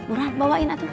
murah bawain atu